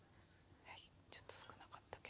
ちょっと少なかったけど。